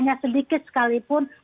hanya sedikit sekalipun